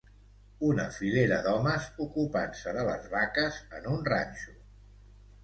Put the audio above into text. Una filera d'homes ocupant-se de les vaques en un ranxo.